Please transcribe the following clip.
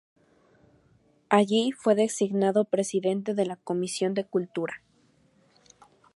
Allí fue designado presidente de la Comisión de Cultura.